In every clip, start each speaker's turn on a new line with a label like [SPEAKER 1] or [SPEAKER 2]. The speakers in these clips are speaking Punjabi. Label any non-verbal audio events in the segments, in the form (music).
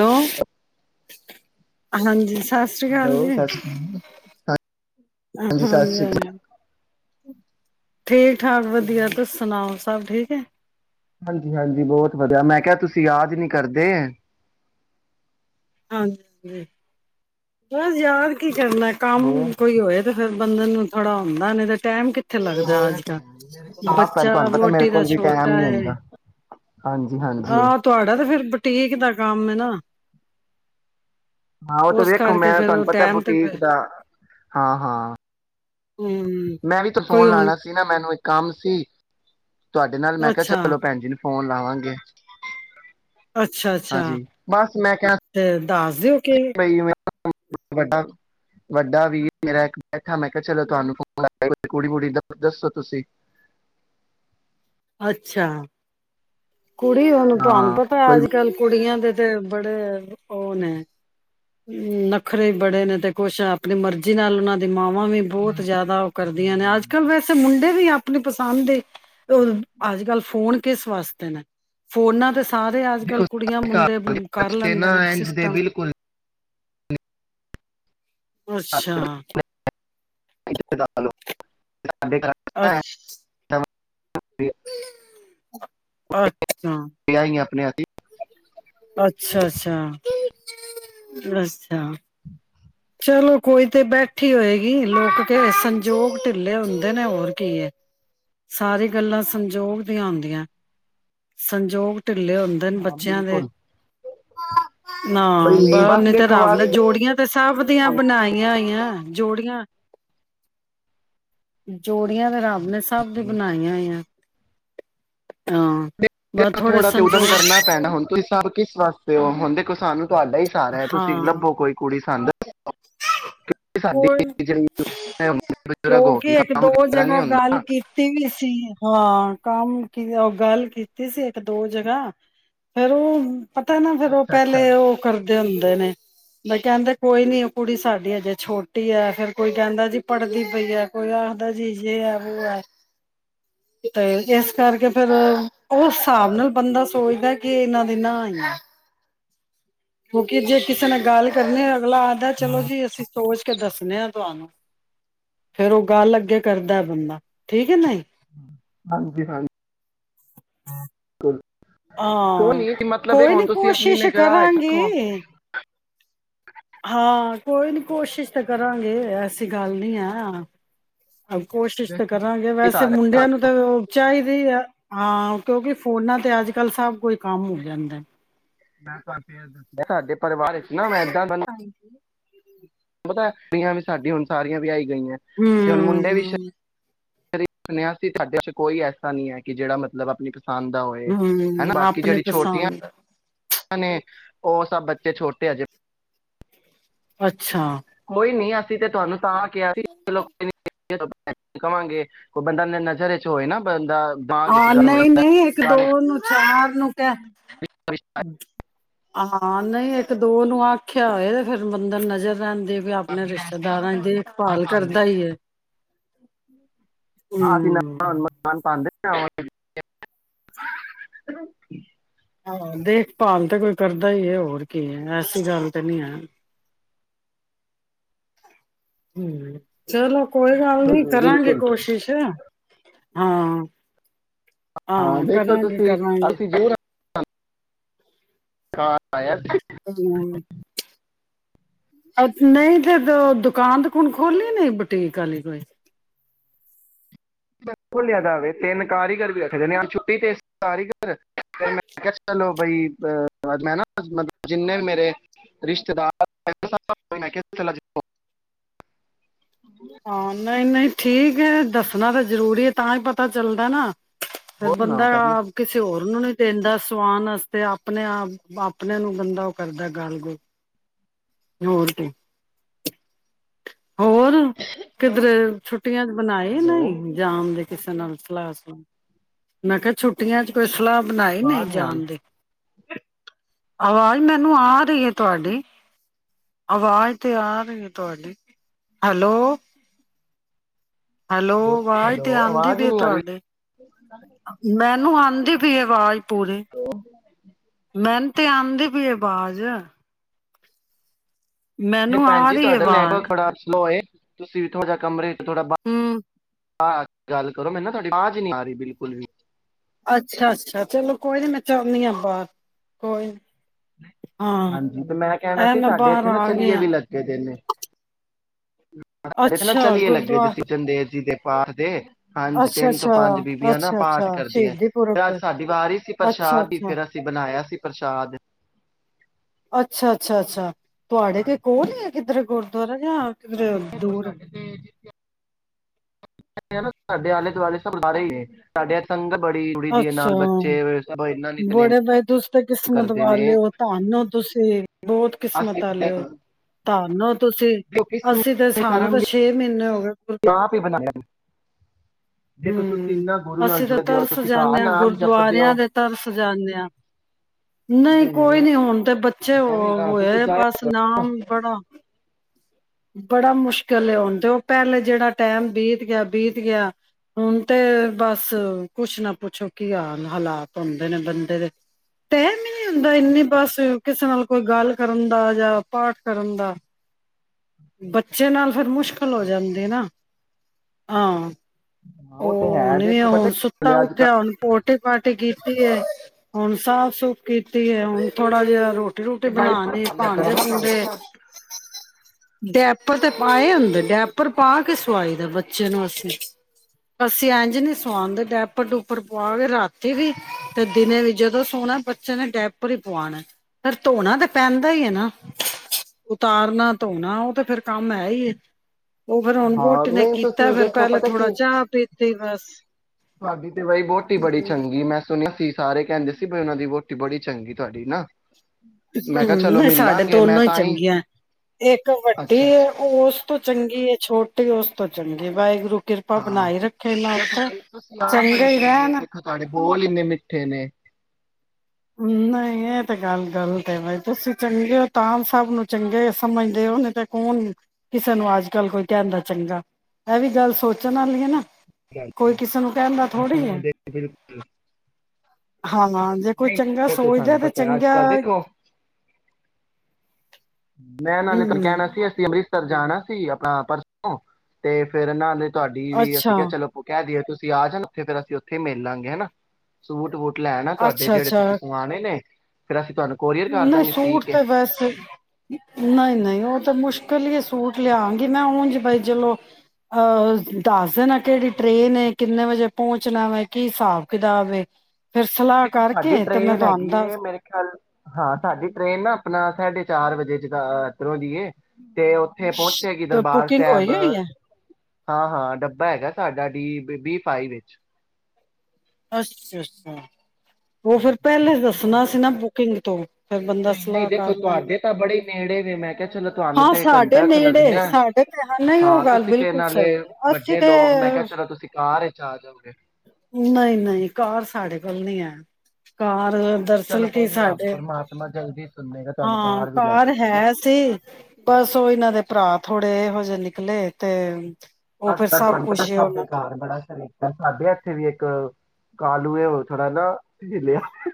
[SPEAKER 1] ਹੈਲੋ, ਹਾਂਜੀ ਸਤਿ ਸ਼੍ਰੀ ਅਕਾਲ
[SPEAKER 2] ਹੈਲੋ
[SPEAKER 1] ਜੀ
[SPEAKER 2] ਸਤਿ ਸ਼੍ਰੀ ਅਕਾਲ ਸਤਿ
[SPEAKER 1] ਹਾਂਜੀ
[SPEAKER 2] ਸ਼੍ਰੀ
[SPEAKER 1] ਹਾਂਜੀ ਠੀਕ ਹਾ ਵਧੀਆ
[SPEAKER 2] ਅਕਾਲ
[SPEAKER 1] ਤੁਸੀ ਸੁਣਾਓ ਸਭ ਠੀਕ ਹੈ
[SPEAKER 2] ਹਾਂਜੀ ਹਾਂਜੀ ਬਹੁਤ ਵਧੀਆ ਮੈਂ ਕਿਹਾ ਤੁਸੀਂ ਯਾਦ ਨੀ ਕਰਦੇ
[SPEAKER 1] ਹਾਂਜੀ ਹਾਂਜੀ ਬਸ ਯਾਦ ਕੀ ਕਰਨਾ
[SPEAKER 2] ਹੋਰ
[SPEAKER 1] ਕੰਮ ਕੋਈ ਹੋਏ ਤੇ ਫਿਰ ਬੰਦੇ ਨੂੰ ਥੋੜਾ ਹੂੰਦਾ ਨੇਂ ਤੇ ਟੈਮ ਕਿ ਕਿੱਥੇ ਲੱਗਦਾ
[SPEAKER 2] ਹਾਂ
[SPEAKER 1] ਅੱਜ
[SPEAKER 2] ਮੇਰੇ ਕੋਲ
[SPEAKER 1] ਕੱਲ
[SPEAKER 2] ਆਪ
[SPEAKER 1] ਬੱਚਾ
[SPEAKER 2] ਤੁਹਾਨੂੰ ਪਤਾ ਮੇਰੇ
[SPEAKER 1] ਵਹੁਟੀ ਦਾ
[SPEAKER 2] ਕੋਲ ਵੀ ਟਾਈਮ
[SPEAKER 1] ਛੋਟਾ
[SPEAKER 2] ਨੀ
[SPEAKER 1] ਐ
[SPEAKER 2] ਹੁੰਦਾ ਹਾਂਜੀ ਹਾਂਜੀ
[SPEAKER 1] ਆਹ ਤੁਹਾਡਾ ਤੇ ਫਿਰ ਬੁਟੀਕ ਦਾ ਕੰਮ ਏ ਨਾਂ
[SPEAKER 2] ਹਾਂ ਉਹ ਤੇ ਵੇਖੋ ਮੈਂ
[SPEAKER 1] ਫੇਰ ਉਹ
[SPEAKER 2] ਤੁਹਾਨੂੰ ਪਤਾ
[SPEAKER 1] ਟੈਮ ਤੇ
[SPEAKER 2] ਬੁਟੀਕ ਦਾ ਹਾਂ ਹਾਂ।
[SPEAKER 1] ਹੂੰ,
[SPEAKER 2] ਮੈਂ ਵੀ ਤੇ
[SPEAKER 1] ਕੋਈ
[SPEAKER 2] ਫੋਨ
[SPEAKER 1] ਹੁਣ
[SPEAKER 2] ਲਾਣਾ ਸੀ ਨਾ ਮੈਨੂੰ ਕੰਮ ਸੀ ਤੁਹਾਡੇ ਨਾਲ ਮੈਂ ਕਿਹਾ
[SPEAKER 1] ਅੱਛਾ,
[SPEAKER 2] ਚਲੋ ਭੈਣ ਜੀ ਨੂੰ ਫੋਨ ਲਾਵਾਂਗੇ।
[SPEAKER 1] ਅੱਛਾ ਅੱਛਾ
[SPEAKER 2] ਹਾਂਜੀ ਬਸ ਮੈਂ ਕਹਿਣਾ
[SPEAKER 1] ਤੇ ਦੱਸ ਦਿਓ ਕੀ?
[SPEAKER 2] ਵੱਡਾ ਵੱਡਾ ਵੀਰ ਮੇਰਾ ਇੱਕ ਬੈਠਾ, ਮੈਂ ਕਿਹਾ ਚਲੋ ਤੁਹਾਨੂੰ ਫੋਨ ਆ (unintelligible) ਕੁੜੀ ਮੁੜੀ ਦਾ ਦੱਸੋ ਤੁਸੀਂ।
[SPEAKER 1] ਅੱਛਾ ਕੁੜੀ ਹੂਨ ਤੁਹਾਨੂੰ
[SPEAKER 2] ਹਾਂ
[SPEAKER 1] ਪਤਾ
[SPEAKER 2] ਕੋਈ
[SPEAKER 1] ਅੱਜ ਕੱਲ ਕੁੜੀਆਂ ਦੇ ਤੇ ਬੜੇ ਉਹ ਨੇ ਨਖਰੇ ਬੜੇ ਨੇ ਤੇ ਕੁਛ ਆਪਣੀ ਮਰਜੀ ਨਾਲ ਉਹਨਾਂ ਦੀ ਮਾਂ ਵੀ ਬਹੁਤ ਜ਼ਿਆਦਾ ਉਹ ਕਰਦੀਆਂ ਨੇ ਅੱਜ
[SPEAKER 2] ਹਾਂ
[SPEAKER 1] ਕੱਲ੍ਹ ਵੈਸੇ ਮੁੰਡੇ ਏਵੀ ਆਪਣੀ ਪਸੰਦ ਏ, ਉਹ ਅੱਜ ਕੱਲ੍ਹ ਫੋਨ ਕਿਸ ਵਾਸਤੇ ਨੇ। ਫੋਨਾਂ ਤੇ ਸਾਰੇ ਅੱਜ
[SPEAKER 2] ਦੇਖੋ
[SPEAKER 1] ਕੱਲ੍ਹ ਕੁੜੀਆਂ
[SPEAKER 2] ਸਾਡੇ ਘਰ
[SPEAKER 1] ਮੁੰਡੇ ਕਰ
[SPEAKER 2] ਬੱਚੇ
[SPEAKER 1] ਲੈਂਦੇ
[SPEAKER 2] ਨਾ
[SPEAKER 1] ਨੇ
[SPEAKER 2] ਇੰਜ ਦੇ
[SPEAKER 1] ਸਿਸਟਮ
[SPEAKER 2] ਬਿਲਕੁਲ
[SPEAKER 1] ਅੱਛਾ
[SPEAKER 2] (inaudible) ਲੋ
[SPEAKER 1] ਅੱਛਾ
[SPEAKER 2] (unintelligible) (unintelligible)
[SPEAKER 1] ਅੱਛਾ
[SPEAKER 2] ਵਿਆਹੀ (unintelligible)
[SPEAKER 1] ਅੱਛਾ ਅੱਛਾ ਅੱਛਾ ਚਲੋ ਕੋਈ ਤੇ ਬੈਠੀ ਹੋਏਗੀ ਲੋਕ (unintelligible) ਕ ਸੰਜੋਗ ਢਿੱਲੇ ਹੁੰਦੇ ਨੇ ਹੋਰ ਕੀ ਐ ਸਾਰੀ ਗੱਲਾਂ ਸੰਜੋਗ ਦੀਆਂ ਹੁੰਦੀਆਂ। ਸੰਜੋਗ ਢਿੱਲੇ ਹੁੰਦੇ ਨੇ
[SPEAKER 2] ਹਾਂ
[SPEAKER 1] ਬੱਚਿਆਂ ਦੇ
[SPEAKER 2] ਬਿਲਕੁਲ
[SPEAKER 1] (unintelligible) ਨਾ
[SPEAKER 2] ਕੋਈ
[SPEAKER 1] ਬ
[SPEAKER 2] ਨਹੀਂ ਬਸ
[SPEAKER 1] ਓਨੀ ਤੇ
[SPEAKER 2] ਦੇਖੋ ਆ
[SPEAKER 1] ਰਾਮ ਨੇ
[SPEAKER 2] ਵੀ
[SPEAKER 1] ਜੋੜੀਆਂ ਤੇ ਸਭ ਦੀਆਂ ਬਣਾਈਆਂ ਹੋਈਆਂ। ਜੋੜੀਆਂ ਜੋੜੀਆਂ ਦੇ ਰਾਤ ਉਹਨੇ ਸਭ ਦੀ ਬਣਾਈਆਂ ਆਂ। ਹਾਂ ਬਸ ਥੋੜੇ
[SPEAKER 2] ਥੋੜਾ ਤੇ ਉਦਮ ਕਰਨਾ
[SPEAKER 1] ਸੰਜੋਗ
[SPEAKER 2] ਪੈਣਾ ਹੁਣ ਤੁਸੀਂ ਸਾਬ ਕਿਸ ਵਾਸਤੇ ਹੋ ਹੁਣ ਦੇਖੋ ਸਾਨੂੰ ਤੁਹਾਡਾ ਹੀ ਸਾਅਰਾ ਐ, ਤੁਸੀਂ ਲੱਭੋ ਕੋਈ ਕੁੜੀ ਸਾਨ
[SPEAKER 1] ਕੋਈ,
[SPEAKER 2] ਜਿਹੜੀ ਹੈ ਹੁਣ ਬਜ਼ੁਰਗ ਹੋ ਗਈ
[SPEAKER 1] ਕਿਉਂਕਿ
[SPEAKER 2] ਕੰਮ
[SPEAKER 1] ਇੱਕ-ਦੋ
[SPEAKER 2] ਵਗੈਰਾ ਨਹੀਂ
[SPEAKER 1] ਜਗ੍ਹਾ ਗੱਲ
[SPEAKER 2] ਹੁੰਦਾ
[SPEAKER 1] ਕੀਤੀ ਵੀ ਸੀ। ਹਾਂ, ਕੰਮ ਕੀ ਗੱਲ ਕੀਤੀ ਸੀ ਇੱਕ ਦੋ-ਜਗ੍ਹਾ ਫੇਰ ਉਹ ਪਤਾ ਨਾ ਫੇਰ ਉਹ
[SPEAKER 2] ਅੱਛਾ ਅੱਛਾ
[SPEAKER 1] ਪਹਿਲੇ ਉਹ ਕਰਦੇ ਹੁੰਦੇ ਨੇ, ਤੇ ਕਹਿੰਦੇ ਕੋਈ ਨੀ ਕੁੜੀ ਸਾਡੀ ਅਜੇ ਛੋਟੀ ਹੈ, ਫੇਰ ਕੋਈ ਕਹਿੰਦਾ ਜੀ ਪੜ੍ਹਦੀ ਪਈ ਹੈ, ਕੋਈ ਆਖਦਾ ਜੀ ਯੇ ਹੈ ਵੋ ਹੈ ਤੇ ਇਸ ਕਰਕੇ ਫੇਰ ਉਸ ਹਿਸਾਬ ਨਾਲ ਬੰਦਾ ਸੋਚਦਾ ਕਿ ਇਹਨਾ ਦੀ ਨਾਹੀ ਹੈ। ਕਿਉਂਕਿ ਜੇ ਕਿਸੇ ਨੇ ਗੱਲ ਕਰਨੀ ਅਗਲਾ ਆਖਦਾ ਚਲੋ ਜੀ, ਅਸੀਂ ਸੋਚ ਕੇ ਦੱਸਣੇ ਆ ਤੁਹਾਨੂੰ ਫੇਰ ਉਹ ਗੱਲ ਅੱਗੇ ਕਰਦਾ ਬੰਦਾ, ਠੀਕ ਹੈ ਨਾ।
[SPEAKER 2] ਹਾਂਜੀ-ਹਾਂਜੀ।
[SPEAKER 1] ਹਾਂ।
[SPEAKER 2] ਉਹ ਲੇਟ ਮਤਲਬ ਹੇ
[SPEAKER 1] ਕੋਈ
[SPEAKER 2] ਹੁਣ
[SPEAKER 1] ਨੀ
[SPEAKER 2] ਤੁਸੀਂ ਆਪਣੀ
[SPEAKER 1] ਕੋਸ਼ਿਸ਼
[SPEAKER 2] ਨਿਗਾਹ ਚ ਰੱਖੋ।
[SPEAKER 1] ਕਰਾਂਗੇ ਹਾਂ, ਕੋਈ ਨੀ ਕੋਸ਼ਿਸ਼ ਤੇ ਕਰਾਂਗੇ, ਐਸੀ ਗੱਲ ਨੀ ਹੈ। ਕੋਸ਼ਿਸ਼ ਤੇ
[SPEAKER 2] ਦੇਖੋ
[SPEAKER 1] ਕਰਾਂਗੇ ਵੈਸੇ
[SPEAKER 2] ਸਾਰਾ ਹੈ।
[SPEAKER 1] ਮੁੰਡਿਆਂ ਨੂੰ ਤਾਂ ਉਹ ਚਾਹੀਦੀ ਹੈ ਹਾਂ, ਕਿਉਂਕਿ ਫੋਨਾਂ ਤੇ ਅੱਜ ਕੱਲ੍ਹ ਸਭ ਕੋਈ ਕੰਮ ਹੋ ਜਾਂਦਾ ਹੈ।
[SPEAKER 2] ਮੈਂ ਤੁਹਾਡੇ ਪਰਿਵਾਰ ਇਦਾਂ, ਮੈਂ ਇੱਦਾਂ ਪਤਾ ਹੈ, ਕੁੜੀਆਂ ਵੀ ਸਾਡੀ ਹੁਣ ਸਾਰੀਆਂ ਵਿਆਈ ਗਈ। ਗਈਆਂ ਤੇ ਹੁਣ ਮੁੰਡੇ ਵੀ
[SPEAKER 1] ਹਮ
[SPEAKER 2] ਕਦੀ ਸੁਨਿਆ ਸੀ ਤੁਹਾਡੇ ਚ ਕੋਈ ਐਸਾ ਨਹੀਂ ਹੈ ਕਿ ਜਿਹੜਾ ਮਤਲਬ ਆਪਣੀ ਪਸੰਦ ਦਾ ਹੋਏ
[SPEAKER 1] ਹੂੰ,
[SPEAKER 2] ਹਨਾ ਬਾਕੀ
[SPEAKER 1] ਆਪਣੇ
[SPEAKER 2] ਜਿਹੜੀ ਛੋਟੀਆਂ
[SPEAKER 1] ਪਸੰਦ।
[SPEAKER 2] ਨੇ ਉਹ ਸਭ ਬੱਚੇ ਛੋਟੇ ਹਜੇ
[SPEAKER 1] ਅੱਛ
[SPEAKER 2] ਕੋਈ ਨਹੀਂ। ਠੀਕ ਹੈ, ਤੇ ਤੁਹਾਨੂੰ ਤਾਂ ਕਿਹਾ ਸੀ ਚਲੋ ਕਵਾਂਗੇ, ਕੋਈ ਬੰਦਾ ਨਜ਼ਰ ਚ ਹੋਏ ਨਾ ਬੰਦਾ ਦਿਮਾਗ ਵਿੱਚ
[SPEAKER 1] ਹਾਂ,
[SPEAKER 2] ਗੱਲ ਹੋਏ
[SPEAKER 1] ਨਹੀਂ-ਨਹੀਂ ਇੱਕ-ਦੋ- ਚਾਰ ਤੇ ਹਾਂ, ਨਹੀਂ ਇੱਕ-ਦੋ ਨੂੰ ਆਖਿਆ ਹੋਇਆ, ਤੇ ਫਿਰ ਬੰਦੇ ਨੂੰ ਨਜ਼ਰ ਰਹਿਦੀ ਤੇ ਆਪਣੇ
[SPEAKER 2] ਬਾਕੀ ਵੈਸੇ
[SPEAKER 1] ਰਿਸ਼ਤੇਦਾਰਾਂ
[SPEAKER 2] ਅਸੀਂ ਹੁਣ ਮਕਾਨ
[SPEAKER 1] ਦੇਖਭਾਲ
[SPEAKER 2] ਪਾਉਂਦੇ
[SPEAKER 1] ਕਰਦਾ ਹੀ ਹੈ।
[SPEAKER 2] ਹਾਂ, ਅਸੀ (unintelligible)
[SPEAKER 1] ਹਮ
[SPEAKER 2] ਮਕਾਨ ਬਣ ਰਿਆ। (unintelligible) ਹਾਂ।
[SPEAKER 1] ਦੇਖਭਾਲ ਤੇ ਕੋਈ ਕਰਦਾ ਹੀ ਹੈ, ਹੋਰ ਕੀ ਹੈ, ਐਸੀ ਗੱਲ ਤੇ ਨਹੀਂ ਹੈ, ਹੂੰ। ਚਲੋ ਕੋਈ ਗੱਲ ਨੀ, ਕਰਾਂਗੇ
[SPEAKER 2] ਬਿਲਕੁਲ
[SPEAKER 1] ਕੋਸ਼ਿਸ਼। ਹਾਂ।
[SPEAKER 2] ਹਾਂ ਦੇਖੋ
[SPEAKER 1] ਕਰਾਂਗੇ
[SPEAKER 2] ਤੁਸੀਂ,
[SPEAKER 1] ਕਰਾਂਗੇ
[SPEAKER 2] ਅਸੀਂ ਜ਼ਰ ਹਾ
[SPEAKER 1] (inaudible) ਅ ਨਈ ਫੇਰ ਔ ਦੁਕਾਨ ਦਕੁਨ ਖੋਲੀ ਨਈ ਬੁਟੀਕ ਆਲੀ ਕੋਈ।
[SPEAKER 2] ਬਸ ਖੋਲਿਅਾ ਦਾ ਵੇ, ਤਿੰਨ ਕਾਰੀਗਰ ਵੀ ਰਖੇਦੇ ਨੇ ਆਜ ਛੁੱਟੀ ਤੇ ਸੀ ਕਾਰੀਗਰ ਮੈਂ ਕਿਹਾ ਚਲੋ ਬਈ ਆਜ ਮੈਂ ਨਾ (unintelligible) ਜਿੰਨੇ
[SPEAKER 1] ਹਾਂ। ਨਈ ਨਈ ਠੀਕ ਐ। ਦੱਸਨਾ ਤਾਂ ਜ਼ਰੂਰੀ ਐ ਤਾਂ ਈ ਪਤਾ ਚੱਲਦਾ ਨਾ ਫੇਰ
[SPEAKER 2] ਬਹੁਤ ਸੁਣਾਓ
[SPEAKER 1] ਬੰਦਾ
[SPEAKER 2] ਪੈਣੀ
[SPEAKER 1] ਕਿਸੇ ਹੋਰ ਉਹਨੂੰ ਨੂ ਈ ਦਿੰਦਾ ਸਵਾਨ ਆਸਤੇ ਆਪਨੇ ਆਪ ਆਪਨੇ ਨੂੰ ਗੰਦਾ ਔ ਕਰਦਾ ਗਾਲ ਗੁਲ। ਹੋਰ ਕੀ। ਹੋਰ ਕਿਧਰੇ ਛੁੱਟੀਆਂ ਚ ਬਨਾਏ
[SPEAKER 2] ਹੈਲੋ
[SPEAKER 1] ਨਈ ਜਾਨ ਦੇ। ਕਿਸੇ ਨਾਲ ਸਲਾਹ ਸਲੂਹ, ਮੈ ਕਿਹਾ ਛੁੱਟੀਆਂ ਚ ਕੋਈ ਸਲਾਹ ਬਨਾਈ ਨਈ
[SPEAKER 2] ਆਵਾਜ਼ ਨਹੀਂ ਆ ਰਹੀ
[SPEAKER 1] ਜਾਨ ਦੀ। ਆਵਾਜ਼ ਮੈਨੂੰ ਆ ਰਈ ਐ ਤੁਆਡੀ ਆਵਾਜ਼ ਤੇ ਆ ਰਈ ਐ ਤੁਹਾਡੀ। ਹੈਲੋ। ਹੈਲੋ
[SPEAKER 2] ਬਹੁਤ
[SPEAKER 1] ਆਵਾਜ਼ ਤੇ
[SPEAKER 2] ਹੈਲੋ
[SPEAKER 1] ਆਂਦੀ
[SPEAKER 2] ਆਵਾਜ਼
[SPEAKER 1] ਪੀ
[SPEAKER 2] ਹੀ
[SPEAKER 1] ਏ
[SPEAKER 2] ਨਹੀਂ ਆ ਰਹੀ
[SPEAKER 1] ਤੁਆਡੀ ਮੈਨੂੰ ਆਂਦ (unintelligible) ਆਵਾਜ। ਪੂਰੇ ਮੈਨ ਤੇ ਆਂਦੀ ਪਈ ਆਵਾਜ਼।
[SPEAKER 2] ਤੇ
[SPEAKER 1] ਮੈਨੂੰ
[SPEAKER 2] ਭੈਣ
[SPEAKER 1] ਆ
[SPEAKER 2] ਜੀ
[SPEAKER 1] ਰਹੀ
[SPEAKER 2] ਤੁਹਾਡਾ
[SPEAKER 1] ਆਵਾਜ਼
[SPEAKER 2] ਨੈਟਵਰਕ ਸਲੋ ਏ। ਤੁਸੀਂ ਵੀ ਥੋੜਾ ਕਮਰੇ ਥੋੜਾ ਬਾ
[SPEAKER 1] ਹਮ
[SPEAKER 2] ਆ, ਗੱਲ ਕਰੋ ਮੈਨਾ ਤੁਆਡੀ ਵਾਜ ਨੀ ਆ ਰਈ ਬਿਲਕੁਲ ਵੀ।
[SPEAKER 1] ਅੱਛਾ, ਅੱਛਾ। ਚਲੋ ਕੋਈ ਨੀ ਮੈਂ ਜਾਨੀ ਆ ਬਾਰ, ਕੋਈ ਨੀ।
[SPEAKER 2] ਹਾਂਜੀ, ਤੇ ਮੈਂ ਕੈਣਾ
[SPEAKER 1] ਇਹ
[SPEAKER 2] ਸੀ
[SPEAKER 1] ਮੈਂ
[SPEAKER 2] ਸਾਡੇ
[SPEAKER 1] ਬਾਹਰ
[SPEAKER 2] ਏੱਥੇ ਨਾ
[SPEAKER 1] ਆ ਗਈ
[SPEAKER 2] ਚਲੀਏ
[SPEAKER 1] ਆ
[SPEAKER 2] ਵੀ ਲੱਗੇ ਦੇ ਨੇ। ਏਥੇ
[SPEAKER 1] ਅੱਛਾ
[SPEAKER 2] ਚਲੀਏ ਲਗੇ ਦੇ
[SPEAKER 1] ਗੁਰਦੁਆਰਾ
[SPEAKER 2] ਸੀ (unintelligible) ਪਾਠ ਦੇ ਹਾਂਜੀ, ਤਿੰਨ ਤੋਂ ਪੰਜ
[SPEAKER 1] ਅੱਛਾ-ਅੱਛਾ,
[SPEAKER 2] ਬੀਬੀਆਂ ਨਾ
[SPEAKER 1] ਅੱਛਾ-ਅੱਛਾ
[SPEAKER 2] ਪਾਠ ਕਰਦੀਆਂ।
[SPEAKER 1] ਸ਼ਹੀਦੀ ਪੁਰਬ
[SPEAKER 2] ਅੱਜ
[SPEAKER 1] ਤੇ
[SPEAKER 2] ਸਾਡੀ ਵਾਰੀ ਸੀ ਪ੍ਰਸ਼ਾਦ ਦੀ
[SPEAKER 1] ਅੱਛਾ-ਅੱਛਾ,
[SPEAKER 2] ਫੇਰ ਅਸੀ ਬਨਾਯਾ ਸੀ ਪ੍ਰਸ਼ਾਦ।
[SPEAKER 1] ਅੱਛਾ, ਅੱਛਾ, ਅੱਛਾ। ਤੁਆਡੇ ਤੇ
[SPEAKER 2] ਹਾਂਜੀ
[SPEAKER 1] ਕੋਲ ਈ ਐ ਕਿੱਧਰੇ ਗੋਰਦੋਆਰਾ ਯਾ ਕਿਦਰੇ ਦੂਰ।
[SPEAKER 2] ਸਾਡੇ ਤੇ ਨਾ, ਸਾਡੇ ਆਲੇ-ਦੁਆਲੇ ਸਬ ਲਾ ਰੇ ਹੀ ਨੇ। ਸਾਡੇ ਐ ਸੰਗਤ ਬੜੀ ਜੁੜੀ ਦੀ ਹੈ
[SPEAKER 1] ਅੱਛਾ,
[SPEAKER 2] ਨਾਲ ਬੱਚੇ ਸਭ ਇੰਨਾ ਨਿਤਨੇਮ
[SPEAKER 1] ਬੜੇ ਬਈ ਤੁਸੀ ਤੇ ਕਿਸਮਤ
[SPEAKER 2] ਕਰਦੇ ਨੇ
[SPEAKER 1] ਵਾਲੇ ਓ, ਧੱਨ ਓ ਤੁਸੀਂ ਬੋਤ ਕਿਸਮਤ
[SPEAKER 2] ਅਸੀਂ
[SPEAKER 1] ਆਲੇ ਓ,
[SPEAKER 2] ਦੇਖੋ
[SPEAKER 1] ਧੱਨ ਓ ਤੁਸੀਂ
[SPEAKER 2] ਕਿਸ
[SPEAKER 1] ਅੱਸੀ ਤੇ
[SPEAKER 2] ਨੇ
[SPEAKER 1] ਸਾਨੂੰ ‍ਤੇ
[SPEAKER 2] ਕਰਮਗੇ
[SPEAKER 1] ਸ਼ੇ ਮਈਨੇ ਓ ਗਏ।
[SPEAKER 2] ਆਪ ਹੀ ਬਣਾਇਆ ਦੇਖੋ ਤੁਸੀਂ
[SPEAKER 1] ਹੂੰ,
[SPEAKER 2] ਇੰਨਾ ਗੁਰੂ ਨਾਲ
[SPEAKER 1] ਅੱਸੀ ਤਾਂ
[SPEAKER 2] ਜੁੜਦੇ ਹੋ
[SPEAKER 1] ਤਰਸ ਸ
[SPEAKER 2] ਤੁਸੀਂ
[SPEAKER 1] ਜਾਂਦੇ
[SPEAKER 2] ਘਰ
[SPEAKER 1] ਆਹ
[SPEAKER 2] ਨਾਮ ਜਪਦੇ
[SPEAKER 1] ਗੁਰਦੁਆਰਿਆਂ
[SPEAKER 2] ਹੋ
[SPEAKER 1] ਦੇ ਤਰਸ ਜਾਣੇ ਆਂ ਨਹੀਂ ਕੋਈ ਨੀ ਹੁਣ ਤੇ ਬੱਚੇ
[SPEAKER 2] ਐਵੇਂ ਨਾ ਤੁਸੀਂ
[SPEAKER 1] ਹੋਏ
[SPEAKER 2] ਜਾਇਆ
[SPEAKER 1] ਬਸ ਨਾਮ ਬੜਾ ਬੜਾ ਮੁਸ਼ਕਿਲ ਹੁਣ ਤੇ ਉਹ ਪਹਿਲੇ ਜਿਹੜਾ ਟੈਮ ਬੀਤ ਗਿਆ ਬੀਤ ਗਿਆ। ਹੁਣ ਤੇ ਬਸ ਕੁਛ ਨਾ ਪੁੱਛੋ ਕੀ ਹਾਲ, ਹਾਲਾਤ ਹੁੰਦੇ ਨੇ ਬੰਦੇ ਦੇ ਟੈਮ ਹੀ ਨਈਂ ਹੁੰਦਾ, ਇੰਨੀ ਬਸ ਕਿਸੇ ਨਾਲ ਕੋਈ ਗੱਲ ਕਰਨ ਦਾ ਜਾਂ ਪਾਠ ਕਰਨ ਦਾ ਬੱਚੇ ਨਾਲ ਫਿਰ ਮੁਸ਼ਕਿਲ ਕਲ ਹੋ ਜਾਂਦੇ ਨਾ। ਹਾਂ।
[SPEAKER 2] ਹਾਂ, ਤੇ
[SPEAKER 1] ਉਹ
[SPEAKER 2] ਹੈ
[SPEAKER 1] ਨਈਂ ਨੀਂ
[SPEAKER 2] ਦੇਖੋ ਪਤਾ
[SPEAKER 1] ਹੁਣ ਸੁੱਤਾ
[SPEAKER 2] ਚੱਲਿਆ ਅੱਜ
[SPEAKER 1] ਉੱਠਿਆ ਉਹਨੂੰ ਪੋ ਟੀ ਪਾਟੀ ਕੀਤੀ ਐ, (unintelligible) ਹੁਣ ਸਾਫ਼ ਸੁਫ਼ ਕੀਤੀ ਐ, ਹੁਣ
[SPEAKER 2] ਕੱਲ੍ਹ
[SPEAKER 1] ਥੋੜਾ ਜਿਹਾ ਰੋਟੀ ਰੂਟੀ
[SPEAKER 2] ਡਾਈਪਰ
[SPEAKER 1] ਬਣਾਣੀ
[SPEAKER 2] ਪਾ ਲਿਆ ਕਰੋ
[SPEAKER 1] ਪਾਂਡੇ
[SPEAKER 2] ਨਾ ਤੁਹਾਨੂੰ
[SPEAKER 1] ਪੂੰਡੇ
[SPEAKER 2] ਪਤਾ
[SPEAKER 1] ਡੈਪਰ ਤੇ ਪਾਏ ਹੁੰਦੇ ਡੈਪਰ ਪਾ ਕੇ ਸਵਾਈ ਦਾ ਬੱਚੇ ਨੂੰ ਅਸੀਂ ਅੱਸੀ ਇੰਝ ਨੀ ਸੁਆਂਦੇ ਡੈਪਰ ਡੁਪਰ ਪੁਆ ਕੇ ਰਾਤੀ ਵੀ ਤੇ ਦਿਨੇ ਵੀ, ਜਦੋਂ ਸੋਣਾ ਬੱਚੇ ਨੇ ਡੈਪਰ ਹੀ ਪੁਆਣਾ ਫਿਰ ਧੋਣਾ ਤਾਂ ਪੈਂਦਾ ਐ ਨਾ। ਉਤਾਰਨਾ ਧੋਣਾ ਉਹ ਤੇ ਫਿਰ ਕੰਮ ਹੈ ਈ ਐ। ਉਹ ਫਿਰ ਹੁਣ
[SPEAKER 2] ਹਾਂ
[SPEAKER 1] ਵੋਟੀ ਨੇ
[SPEAKER 2] ਨਹੀਂ
[SPEAKER 1] ਕੀਤਾ
[SPEAKER 2] ਤੁਸੀਂ
[SPEAKER 1] ਫਿਰ
[SPEAKER 2] ਦੇਖੋ
[SPEAKER 1] ਪਹਿਲੇ
[SPEAKER 2] ਪਤਾ
[SPEAKER 1] ਥੋੜਾ
[SPEAKER 2] ਕੀ
[SPEAKER 1] ਚਾਅ ਇਥ ਹੀ ਬਸ
[SPEAKER 2] ਤੁਹਾਡੀ ਤੇ ਬਾਈ ਵਹੁਟੀ ਬੜੀ ਚੰਗੀ ਮੈਂ ਸੁਣਿਆ ਸੀ ਸਾਰੇ ਕਹਿੰਦੇ ਸੀ ਬ ਉਹਨਾਂ ਦੀ ਰੋਟੀ ਬੜੀ ਚੰਗੀ ਤੁਹਾਡੀ ਨਾ ਮੈਂ
[SPEAKER 1] ਹਂ
[SPEAKER 2] ਕਿਹਾ ਚਲੋ
[SPEAKER 1] ਨਈਂ ਸਾਡੇ
[SPEAKER 2] ਮਿਲਾਂਗੇ ਮੈਂ
[SPEAKER 1] ਦੋਨੋ ਹੀ
[SPEAKER 2] ਤਾਂ
[SPEAKER 1] ਚੰਗੀਆਂ, ਇੱਕ ਵੱਡੀ
[SPEAKER 2] ਅੱਛਾ ਅੱਛਾ
[SPEAKER 1] ਉਸ ਤੋਂ ਚੰਗੀ, ਛੋਟੀ ਉਸ ਤੋਂ ਚੰਗੀ। ਵਾਹਿਗੁਰੂ ਕਿਰਪਾ
[SPEAKER 2] ਹਾਂ
[SPEAKER 1] ਬਣਾਈ ਰੱਖੇ ਇਹ ਨਾ
[SPEAKER 2] ਦੇਖੋ
[SPEAKER 1] ਉਥੇ
[SPEAKER 2] ਕਿ ਤੁਸੀਂ ਆਪ ਬੜੇ ਚੰਗੇ ਦੇਖੋ ਤੁਆਡੇ ਬੋਲ ਇੰਨੇ ਮਿੱਠੇ ਨੇ
[SPEAKER 1] ਨ੍ਹੀਂ ਇਹ ਤੇ ਗੱਲ ਗਲਤ ਬਾਈ ਤੁਸੀਂ ਚੰਗੇ ਹੋ ਤਾਮ ਸਭ ਨੂੰ ਚੰਗੇ ਸਮਝਦੇ ਹੋ ਨਹੀਂ ਤੇ ਕੌਣ, ਕਿਸੇ ਨੂੰ ਅੱਜ ਕੱਲ ਕੋਈ ਕਹੰਦਾ ਚੰਗਾ ਇਹ ਵੀ ਗੱਲ ਸੋਚਣ ਵਾਲੀ ਐ ਨਾ। ਕੋਈ
[SPEAKER 2] (unintelligible)
[SPEAKER 1] ਕਿਸੇ ਨੂੰ ਕਹਿੰਦਾ ਥੋੜ੍ਹੀ
[SPEAKER 2] ਹਾਂ
[SPEAKER 1] ਹੈ
[SPEAKER 2] ਦੇਖੋ ਬਿਲਕੁਲ
[SPEAKER 1] ਹਾਂ ਜੇ ਕੋ
[SPEAKER 2] ਨਹੀਂ
[SPEAKER 1] ਚੰਗਾ
[SPEAKER 2] ਉਹ
[SPEAKER 1] ਸੋਚਦਾ
[SPEAKER 2] ਸਾਨੂੰ
[SPEAKER 1] ਤੇ
[SPEAKER 2] ਪਤਾ ਅੱਜ
[SPEAKER 1] ਚੰਗਾ
[SPEAKER 2] ਕੱਲ ਦੇਖੋ ਮੈਂ ਨਾਲੇ ਤੇ
[SPEAKER 1] ਹਮ
[SPEAKER 2] ਕਹਿਣਾ ਸੀ ਅਸੀਂ ਅੰਮ੍ਰਿਤ ਜਾਣਾ ਸੀ ਆਪਣਾ ਪਰਸੋਂ ਤੇ ਫੇਰ ਨਾਲੇ ਤੁਹਾਡੀ ਵੀ ਅਸੀਂ
[SPEAKER 1] ਅੱਛਾ
[SPEAKER 2] ਕਿਹਾ ਚਲੋ ਕਹਿ ਦਇਏ ਤੁਸੀਂ ਤੁਸੀਂ ਆ ਜਾਣਾ ਉੱਥੇ, ਫੇਰ ਅਸੀਂ ਉੱਥੇ ਹੀ ਮਿਲ ਲਾਂਗੇ ਹਨਾ। ਸੂਟ ਵੂਟ ਚ ਈ ਲੈ ਆਣਾ ਤੁਹਾਡੇ
[SPEAKER 1] ਅੱਛਾ
[SPEAKER 2] ਜਿਹੜੇ ਤੁਸੀਂ ਸੁਆਣੇ ਨੇ ਫਿਰ ਅਸੀਂ ਤੁਆਨੂੰ
[SPEAKER 1] ਨਈਂ ਸੂਟ ਤਾਂ ਵੈਸੇ ਨਈਂ ਨਈਂ ਉਹ ਤਾਂ ਮੁਸ਼ਕਿਲ ਹੈ ਏ ਸੂਟ ਲਿਆਂਗੀ ਮੈਂ ਉਂਜ ਬਾਈ ਚਲੋ ਅਹ ਦੱਸ ਦੇਣਾ ਕਿਹੜੀ ਟ੍ਰਰੇਨ ਕਿੰਨੇ ਵਜੇ ਪਹੁੰਚਣਾ ਵੈਂ ਕੀ ਹਿਸਾਬ ਕਿਤਾਬ ਫਿਰ ਸਲਾਹ
[SPEAKER 2] ਦੇਖੋ ਸਾਡੀ
[SPEAKER 1] ਕਰਕੇ ਤੇ ਮੈਂ
[SPEAKER 2] ਟ੍ਰੇਨ
[SPEAKER 1] ਤੁਆਨੂੰ
[SPEAKER 2] ਹੈਗੀ ਏ
[SPEAKER 1] ਦਸੱ
[SPEAKER 2] ਮੇਰੇ ਖਿਆਲ ਹਾਂ ਸਾਡੀ ਟ੍ਰੇਨ ਨਾ ਆਪਣਾ ਸਾਡੇ ਚਾਰ ਵਜੇ ਚ ਇਧਰੋਂ ਦੀਏ ਤੇ ਉੱਥੇ ਪਹੁੰਚੇਗੀ
[SPEAKER 1] ਤੇ
[SPEAKER 2] ਦਰਬਾਰ
[SPEAKER 1] ਬੁਕਿੰਗ
[SPEAKER 2] ਸਾਹਿਬ
[SPEAKER 1] ਹੋਈ ਹੋਈ ਹੈ
[SPEAKER 2] ਹਾਂ ਹਾਂ ਡੱਬਾ ਹੈਗਾ ਸਾਡਾ ਡੀ ਬੀ ਫਾਈ ਵਿੱਚ
[SPEAKER 1] ਅੱਛਾ ਅੱਛਾ। ਉਹ ਫੇਰ
[SPEAKER 2] ਹਾਂਜੀ
[SPEAKER 1] ਪਹਿਲੇ ਦੱਸਣਾ ਸੀ ਨਾ, ਕਿੰਗ ਤੋਂ, ਫਿਰ ਬੰਦਾ
[SPEAKER 2] ਨਹੀਂ-ਨਹੀਂ
[SPEAKER 1] ਸਲਾਹ ਕਰ
[SPEAKER 2] ਦੇਖੋ, ਤੁਹਾਡੇ
[SPEAKER 1] ਲੈਂਦਾ
[SPEAKER 2] ਤਾਂ ਬੜੇ ਨੇੜੇ, ਮੈਂ ਕਿਹਾ, ਚਲੋ, ਤੁਹਾਨੂੰ
[SPEAKER 1] ਹਾਂ
[SPEAKER 2] ਤੇ
[SPEAKER 1] ਸਾਡੇ
[SPEAKER 2] ਘੰਟਾ
[SPEAKER 1] ਨੇੜੇ
[SPEAKER 2] ਲੱਗਣਾ
[SPEAKER 1] ਸਾਡੇ ਤੇ ਹਨ ਹੀ ਉਹ
[SPEAKER 2] ਹਾਂ
[SPEAKER 1] ਗੱਲ
[SPEAKER 2] ਤੁਸੀਂ ਤੇ
[SPEAKER 1] ਬਿਲਕੁਲ
[SPEAKER 2] ਨਾਲੇ
[SPEAKER 1] ਸਹੀ ਹੈ ਅਸੀਂ
[SPEAKER 2] ਵੱਡੇ ਲੋਕ ਮੈਂ ਕਿਹਾ ਚਲੋ ਤੁਸੀਂ ਕਾਰ ਚਾਅ ਜਾ ਹੁ
[SPEAKER 1] ਨਹੀਂ-ਨਹੀਂ, ਕਾਰ ਸਾਡੇ ਕੋਲ ਨਹੀਂ ਹੈ। ਕਾਰ ਦਰ
[SPEAKER 2] ਅੱਛਾ
[SPEAKER 1] ਅਸਲ
[SPEAKER 2] ਚਲੋ
[SPEAKER 1] ਕੀ
[SPEAKER 2] ਕੋਈ ਨਹੀਂ ਰੱਬ
[SPEAKER 1] ਸਾਡੇ
[SPEAKER 2] ਪਰਮਾਤਮਾ ਜਲਦੀ ਸੁਣੇਗਾ ਤੁਹਾਨੂੰ
[SPEAKER 1] ਹਾਂ
[SPEAKER 2] ਵੀ ਲੈ
[SPEAKER 1] ਕਾਰ
[SPEAKER 2] ਦੇਗਾ ਹਨਾ
[SPEAKER 1] ਹੈ ਸੀ ਬਸ ਉਹ ਇਹਨਾਂ ਦੇ ਭਰਾ ਥੋੜੇ ਇਹੋ ਜਿਹੇ ਨਿਕਲੇ ਤੇ,
[SPEAKER 2] (unintelligible)
[SPEAKER 1] ਉਹ ਫਿਰ
[SPEAKER 2] ਘਰ
[SPEAKER 1] ਸਭ
[SPEAKER 2] ਦਾ
[SPEAKER 1] ਕੁਛ
[SPEAKER 2] ਕੰਮ
[SPEAKER 1] ਉਹਨਾਂ
[SPEAKER 2] ਕਾਫੀ ਬੜਾ ਹੈ ਸਾਡੇ, ਉੱਥੇ ਵੀ ਇੱਕ ਕਾਲੂ ਹੈ, ਉਹ ਥੋੜਾ ਨਾ ਹਿਲਿਆ ਵੇ,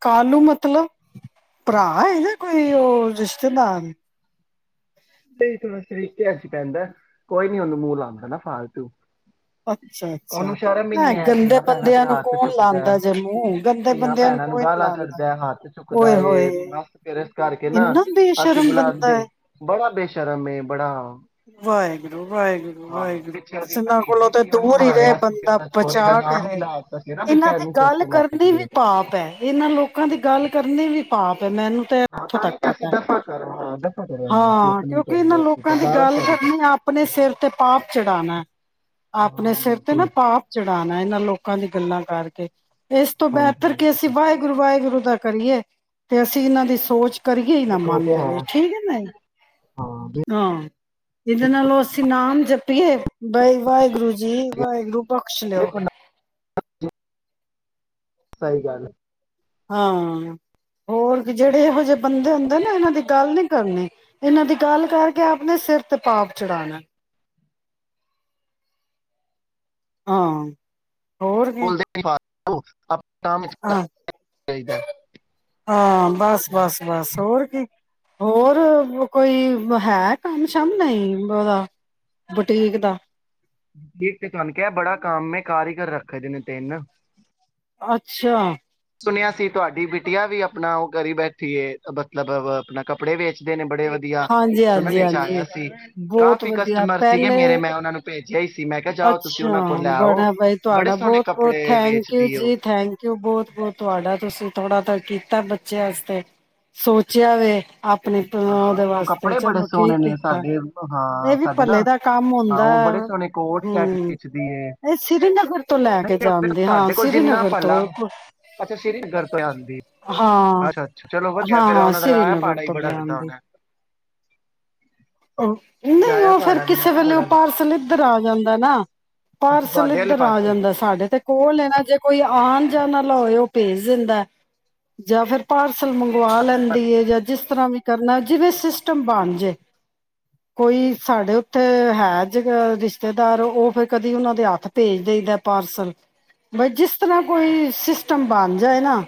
[SPEAKER 1] ਕਾਲੂ ਮਤਲਬ, ਭਰਾ ਨਾ ਕੋਈ ਉਹ ਰਿਸ਼ਤੇਦਾਰ
[SPEAKER 2] ਨਹੀਂ ਥੋੜਾ ਸਰੀਕੇ ਸੀ ਪੈਂਦਾ ਕੋਈ ਨੀ ਉਹਨੂੰ ਮੂੰਹ ਲਾਦਾ ਨਾ ਫਾਲਤੂ,
[SPEAKER 1] ਅੱਛਾ
[SPEAKER 2] ਉਹਨੂੰ
[SPEAKER 1] ਅੱਛਾ
[SPEAKER 2] ਸ਼ਰਮ ਹੀ ਨੀ
[SPEAKER 1] ਐ
[SPEAKER 2] ਆਇਆ
[SPEAKER 1] ਗੰਦੇ
[SPEAKER 2] ਤੀਆਂ ਭੈਣਾਂ ਤੇ
[SPEAKER 1] ਬੰਦਿਆਂ ਨੂੰ
[SPEAKER 2] ਹੱਥ
[SPEAKER 1] ਕੌਣ
[SPEAKER 2] ਚੁੱਕਦਾ
[SPEAKER 1] ਲਾਉਂਦਾ ਜੇ ਮੂੰਹ ਗੰਦੇ
[SPEAKER 2] ਧੀਆਂ
[SPEAKER 1] ਬੰਦਿਆਂ
[SPEAKER 2] ਭੈਣਾਂ ਨੂੰ
[SPEAKER 1] ਕੋਈ ਨੀ
[SPEAKER 2] ਗਾਲਾਂ
[SPEAKER 1] ਲਾਉਂਦਾ
[SPEAKER 2] ਕਢਦਾ, ਹੱਥ ਚੁੱਕਦਾ
[SPEAKER 1] ਓਏ
[SPEAKER 2] ਏ
[SPEAKER 1] ਹੋਏ
[SPEAKER 2] ਮਸ ਫਿਰਸ ਕਰਕੇ ਨਾ
[SPEAKER 1] ਇੰਨਾ
[SPEAKER 2] ਅਸੀਂ
[SPEAKER 1] ਬੇਸ਼ਰਮ ਬੰਦਾ
[SPEAKER 2] ਬੁਲਾਦੇ
[SPEAKER 1] ਹੈ
[SPEAKER 2] ਬੜਾ, ਬੇਸ਼ਰਮ ਬੜਾ,
[SPEAKER 1] ਵਾਹਿਗੁਰੂ,
[SPEAKER 2] ਹਾਂ ਪਿੱਛੇ ਉਹਦੀ
[SPEAKER 1] ਵਾਹਿਗੁਰੂ, ਕੋਲੋਂ
[SPEAKER 2] ਭਤੀਜੀ
[SPEAKER 1] ਤੇ
[SPEAKER 2] ਸੀ ਉਹਨੂੰ
[SPEAKER 1] ਦੂਰ ਹੀ ਰਹੇ
[SPEAKER 2] ਮਾਰਿਆ ਸੀ ਫਿਰ
[SPEAKER 1] ਬੰਦਾ
[SPEAKER 2] ਉਹਦਾ ਚੋਰੀ
[SPEAKER 1] ਬਚਾ
[SPEAKER 2] ਦਾ
[SPEAKER 1] ਕੇ
[SPEAKER 2] ਨਾਮ ਵੀ
[SPEAKER 1] ਰਹੇ,
[SPEAKER 2] ਲਾ ਦਿੱਤਾ ਸੀ ਨਾ
[SPEAKER 1] ਇਹਨਾਂ ਦੀ
[SPEAKER 2] ਬੇਚੈਨੀ ਚੁੱਕ
[SPEAKER 1] ਗੱਲ
[SPEAKER 2] ਕੇ ਲੈ
[SPEAKER 1] ਕਰਨੀ
[SPEAKER 2] ਗਈ
[SPEAKER 1] ਵੀ
[SPEAKER 2] ਏ।
[SPEAKER 1] ਪਾਪ ਹੈ, ਇਹਨਾਂ ਲੋਕਾਂ ਦੀ ਗੱਲ ਕਰਨੀ ਵੀ, ਪਾਪ, ਮੈਨੂੰ ਤੇ
[SPEAKER 2] ਹਾਂ
[SPEAKER 1] ਇੱਥੋਂ
[SPEAKER 2] ਤਾਂ
[SPEAKER 1] ਤੱਕ
[SPEAKER 2] ਹੀ ਤਾਂ ਅਸੀਂ
[SPEAKER 1] ਪਤਾ
[SPEAKER 2] ਦਫ਼ਾ ਕਰੋ ਹਾਂ ਦਫ਼ਾ ਕਰੋ ਇਹਨੂੰ ਅਸੀਂ
[SPEAKER 1] ਹਾਂ
[SPEAKER 2] ਆਪਣੀ
[SPEAKER 1] ਕਿਉਂਕਿ ਇਹਨਾਂ
[SPEAKER 2] ਕਰੀਏ
[SPEAKER 1] ਲੋਕਾਂ ਦੀ
[SPEAKER 2] ਦਰਬਾਰ
[SPEAKER 1] ਗੱਲ
[SPEAKER 2] ਸਾਹਿਬ ਚ
[SPEAKER 1] ਕਰਨੀ ਆਪਣੇ ਸਿਰ ਤੇ ਪਾਪ ਚੜਾਣਾ। ਆਪਣੇ
[SPEAKER 2] ਹਾਂ
[SPEAKER 1] ਸਿਰ ਤੇ ਨਾ
[SPEAKER 2] ਬਿਲਕੁਲ
[SPEAKER 1] ਪਾਪ ਚੜਾਣਾ ਇਹਨਾਂ ਲੋਕਾਂ ਦੀ ਗੱਲ ਗੱਲਾਂ ਕਰਕੇ, ਇਸ ਤੋਂ
[SPEAKER 2] ਹਾਂਜੀ
[SPEAKER 1] ਬਿਹਤਰ
[SPEAKER 2] ਹਾਂਜੀ
[SPEAKER 1] ਕਿ ਅਸੀਂ ਵਾਹਿਗੁਰੂ, ਵਾਹਿਗੁਰੂ ਦਾ ਕਰੀਏ। ਤੇ ਅਸੀਂ ਇਹਨਾਂ ਦੀ ਸੋਚ, ਕਰੀਏ ਹੀ ਨਾ
[SPEAKER 2] ਦੇਖੋ ਉਹ
[SPEAKER 1] ਮਨ
[SPEAKER 2] ਤੇ
[SPEAKER 1] ਦੇ
[SPEAKER 2] ਹੈ
[SPEAKER 1] ਵਿੱਚ ਠੀਕ ਹੈ ਨਾ,
[SPEAKER 2] ਹਾਂ ਬਿਲ-
[SPEAKER 1] ਹਾਂ ਇਹਦੇ ਨਾਲੋਂ ਅਸੀਂ ਨਾਮ, ਜੱਪੀਏ, ਵਾ ਵਾਹਿਗੁਰੂ ਜੀ ਵਾਹਿਗੁਰੂ ਬਖਸ਼ ਲਿਓ।
[SPEAKER 2] ਦੇਖੋ ਨਾ, ਸਹੀ ਗੱਲ ਹੈ।
[SPEAKER 1] ਹਾਂ ਹੋਰ ਜਿਹੜੇ ਇਹੋ ਜਿਹੇ ਬੰਦੇ ਹੁੰਦੇ ਨਾ ਇਹਨਾਂ ਦੇ ਗੱਲ ਨੀ ਕਰਨੀ, ਇਹਨਾਂ ਦੀ ਗੱਲ ਕਰਕੇ ਆਪਣੇ ਸਿਰ ਤੇ ਪਾਪ ਚੜਾਣਾ ਐ। ਹਾਂ। ਹੋਰ ਕੀ
[SPEAKER 2] ਹੈਲੋ, ਆਪ
[SPEAKER 1] ਹਾਂ, ਹਾ, ਬਸ -ਬਸ- ਬਸ ਹੋਰ ਕੀ ਹੋਰ ਕੋਈ ਹੈ, ਕੱਮ ਸ਼ੱਮ ਨਹੀਂ ਉਹਦਾ ਬੁਟੀਕ ਦਾ।
[SPEAKER 2] ਦੇਖ ਕੇ ਤੁਹਾਨੂੰ ਕਿਹਾ ਬੜਾ ਕੰਮ ਐ, ਕਾਰੀਗਰ ਰੱਖਦੇ ਨੇ ਤਿੰਨ।
[SPEAKER 1] ਅੱਛਾ।
[SPEAKER 2] ਸੁਣਿਆ ਸੀ ਤੁਹਾਡੀ ਬੀਟੀਆ ਵੀ, ਆਪਣਾ ਉਹ ਕਰੀ ਬੈਠੀ ਏ ਮਤਲਬ ਆਪਣਾ ਕੱਪੜੇ ਵੇਚਦੇ ਨੇ ਬੜੇ ਵਧੀਆ
[SPEAKER 1] ਹਾਂਜੀ ਹਾਂਜੀ
[SPEAKER 2] ਸੁਨਨੇ ਚ ਆਯਾ
[SPEAKER 1] ਹਾਂਜੀ
[SPEAKER 2] ਸੀ,
[SPEAKER 1] ਬਹੁਤ
[SPEAKER 2] ਕਾਫੀ
[SPEAKER 1] ਵਧੀਆ
[SPEAKER 2] ਕਸਟਮਰ ਸੀਗੇ ਮੇਰੇ
[SPEAKER 1] ਪਹਿਲੇ
[SPEAKER 2] ਮੈਂ ਉਹਨਾਂ ਨੂੰ ਭੇਜਿਆ ਹੀ ਸੀ, ਮੈਂ ਕਿਹਾ ਜਾਓ ਤੁਸੀਂ ਉਹਨਾਂ
[SPEAKER 1] ਅੱਛਾ
[SPEAKER 2] ਕੋਲ ਲੈਆੳ,
[SPEAKER 1] ਬੜਾ ਬਾਈ
[SPEAKER 2] ਬੜੇ
[SPEAKER 1] ਤੁਹਾਡਾ
[SPEAKER 2] ਸੋਹਣੇ
[SPEAKER 1] ਬਹੁਤ-ਬਹੁਤ
[SPEAKER 2] ਕੱਪੜੇ
[SPEAKER 1] ਥੈਂਕ ਯੂ
[SPEAKER 2] ਵੇਚਦੀ ਏ ੳ।
[SPEAKER 1] ਜੀ ਥੈਂਕ ਯੂ ਬਹੁਤ-ਬਹੁਤ ਤੁਹਾਡਾ ਤੁਸੀਂ ਥੋੜਾ ਤਾਂ ਕੀਤਾ ਬੱਚਿਆਂ ਵਾਸਤੇ ਸੋਚਿਆ ਵੇੰ ਆਪਣੇ ਐ (unintelligible)
[SPEAKER 2] ਹਾਂ ਨਹੀਂ ਉਹ ਕੱਪੜੇ ਬੜੇ ਸੋਹਣੇ ਨੇ, ਸਾਡੇ ਹਾਂ
[SPEAKER 1] ਇਹ ਵੀ
[SPEAKER 2] ਸਾਡੇ
[SPEAKER 1] ਭੱਲੇ
[SPEAKER 2] ਨਾ
[SPEAKER 1] ਦਾ ਕੰਮ
[SPEAKER 2] ਹਾਂ
[SPEAKER 1] ਹੁੰਦਾ
[SPEAKER 2] ਉਹ ਬੜੇ
[SPEAKER 1] ਹੈ।
[SPEAKER 2] ਸੋਹਣੇ ਕੋਟ ਸੈਟ
[SPEAKER 1] ਹੂੰ
[SPEAKER 2] ਖਿੱਚਦੀ ਐ,
[SPEAKER 1] ਇਹ ਸ੍ਰੀਨਗਰ ਤੋਂ ਲੈ ਕੇ ਜਾਂਦੇ ਹਾਂ
[SPEAKER 2] ਸਾਡੇ ਕੋਲ ਜਿੰਨਾ
[SPEAKER 1] ਸ੍ਰੀਨਗਰ ਤੋਂ
[SPEAKER 2] ਪਲਾ ਅੱਛਾ ਸ੍ਰੀਗਰ ਤੋਂ ਆਂਦੀ
[SPEAKER 1] ਹਾਂ
[SPEAKER 2] ਅਛਾ- ਅੱਛਾ ਚਲੋ ਵਦੀਆ
[SPEAKER 1] ਹਾਂ
[SPEAKER 2] ਅਗੇ ਰਾਅ
[SPEAKER 1] ਹਾਂ
[SPEAKER 2] ਨਜਰ ਆਯਾ
[SPEAKER 1] ਸ੍ਰੀਨਗਰ
[SPEAKER 2] ਪਾੜਾ
[SPEAKER 1] ਤੋਂ
[SPEAKER 2] ਬੜਾ ਵਦੀਆਂ ਕੋਣ
[SPEAKER 1] ਲਿਆਂਦੀ
[SPEAKER 2] ਐ
[SPEAKER 1] ਨਹੀਂ
[SPEAKER 2] ਜਾਇਆ
[SPEAKER 1] ਉਹ ਫੇਰ,
[SPEAKER 2] ਪਹਾੜਾ ਵੀ ਮੈਂ
[SPEAKER 1] ਕਿਸੇ
[SPEAKER 2] ਕਿਹਾ
[SPEAKER 1] ਵੇਲੇ ਉਹ
[SPEAKER 2] ਬੜਾ
[SPEAKER 1] ਪਾਰਸਲ ਇੱਧਰ ਆ ਜਾਂਦਾ ਨਾ,
[SPEAKER 2] ਅੱਛਾ
[SPEAKER 1] ਪਾਰਸਲ
[SPEAKER 2] ਤੁਹਾਡੇ ਆਲੇ
[SPEAKER 1] ਇੱਧਰ ਆ
[SPEAKER 2] ਪਾਸੇ
[SPEAKER 1] ਜਾਂਦਾ। ਸਾਡੇ ਤੇ ਕੋਲ ਨਾ ਜੇ ਕੋਈ ਆਣ ਨਾ ਲਾ ਹੋਏ ਉਹ ਭੇਜ ਦਿੰਦਾ। ਜਾਂ ਫਿਰ ਪਾਰਸਲ ਮੰਗਵਾ ਲੈਂਦੀ ਹੈ, ਜਾਂ ਜਿਸ ਤਰ੍ਹਾਂ ਵੀ ਕਰਨਾ ਜਿਵੇਂ ਸਿਸਟਮ ਬਣ ਜੇ ਕੋਈ ਸਾਡੇ ਉੱਥੇ ਹੈ, ਜ ਰਿਸ਼ਤੇਦਾਰ ਉਹ ਫਿਰ, ਕਦੀ ਉਹਨਾਂ ਦੇ ਹੱਥ ਭੇਜ ਦਈ ਦਾ ਪਾਰਸਲ ਬਈ ਜਿਸ ਤਰ੍ਹਾਂ ਕੋਈ ਸਿਸਟਮ ਬਣ ਜਾਏ ਨਾ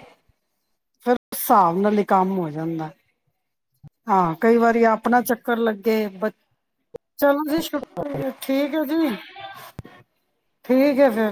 [SPEAKER 1] ਫੇਰ ਉਸ ਹਿਸਾਬ ਨਾਲ ਹੀ ਕੰਮ ਹੋ ਜਾਂਦਾ। ਹਾਂ ਕਈ ਵਾਰੀ ਆਪਣਾ ਚੱਕਰ ਲੱਗੇ ਬ ਚਲੋ ਜੀ ਛੁੱਟੀ ਠੀਕ ਚਲੋ ਜੀ ਠੀਕ ਐ ਫੇਰ